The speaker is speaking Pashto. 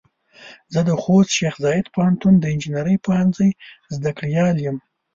زه د خوست شیخ زايد پوهنتون د انجنیري پوهنځۍ زده کړيال يم.